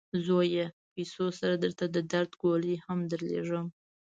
زویه! پیسو سره درته د درد ګولۍ هم درلیږم.